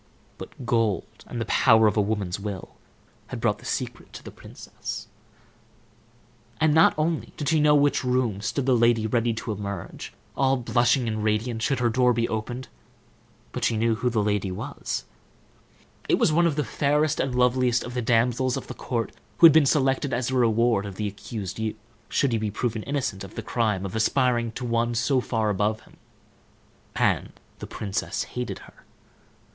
But gold, and the power of a woman's will, had brought the secret to the princess. And not only did she know in which room stood the lady ready to emerge, all blushing and radiant, should her door be opened, but she knew who the lady was. It was one of the fairest and loveliest of the damsels of the court who had been selected as the reward of the accused youth, should he be proved innocent of the crime of aspiring to one so far above him; and the princess hated her.